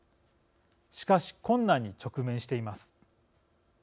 しかし、困難に直面しています。